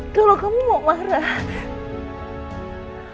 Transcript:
kalau kamu mau marah